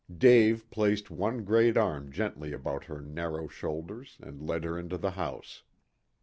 Dave placed one great arm gently about her narrow shoulders and led her into the house.